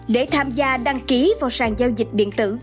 để tham gia đăng ký vào sàn giao dịch điện tử